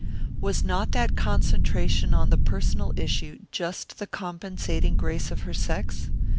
Was not that concentration on the personal issue just the compensating grace of her sex?